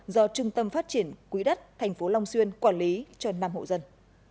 do trung tâm phát triển quỹ đất tp long xuyên quản lý cho năm hộ dân